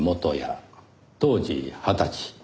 当時二十歳。